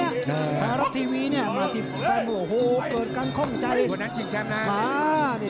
ธารับทีวีเนี่ยมาที่แฟนหัวโฮเกิดกังค่องใจ